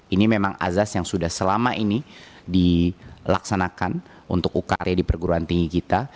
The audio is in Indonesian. ini memang azas yang sudah selama ini dilaksanakan untuk ukr di perguruan tinggi kita